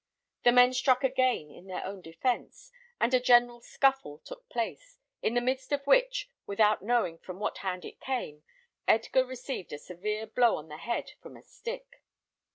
The men struck again in their own defence, and a general scuffle took place, in the midst of which, without knowing from what hand it came, Edgar received a severe blow on the head from a stick.